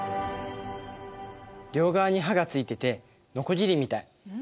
両側に刃がついててのこぎりみたい。